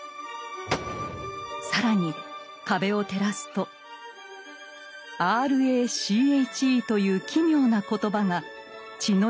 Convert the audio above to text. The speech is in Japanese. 更に壁を照らすと「ＲＡＣＨＥ」という奇妙な言葉が血の色で記されていたのです。